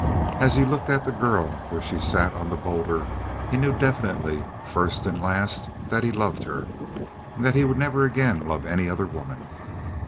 As he looked at the girl, where she sat on the boulder, he knew definitely, first and last, that he loved her, and that he would never again love any other woman.